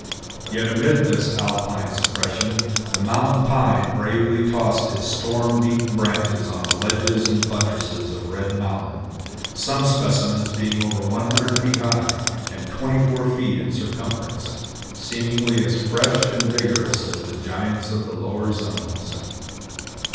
Yet amid this alpine suppression the Mountain Pine bravely tossed his storm beaten branches on the ledges and buttresses of Red Mountain, some specimens being over 100 feet high, and 24 feet in circumference, seemingly as fresh and vigorous as the giants of the lower zones.